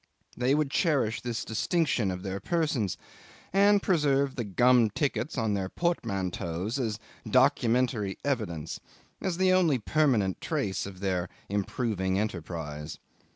They would cherish this distinction of their persons, and preserve the gummed tickets on their portmanteaus as documentary evidence, as the only permanent trace of their improving enterprise.